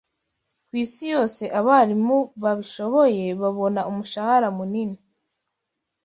Kwisi yose abarimu babishoboye babona umushahara munini